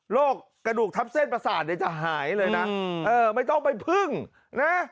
โรคกระดูกทับเส้นประสาทเนี่ยจะหายเลยนะเออไม่ต้องไปพึ่งนะ